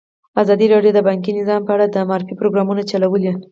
ازادي راډیو د بانکي نظام په اړه د معارفې پروګرامونه چلولي.